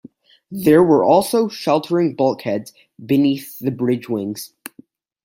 There were also sheltering bulkheads beneath the bridge wings.